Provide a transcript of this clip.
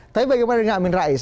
tapi bagaimana dengan amin rais